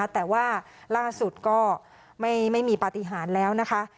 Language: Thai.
แต่ว่าล่าสุดก็ไม่มีปฏิหารแล้วนะคะ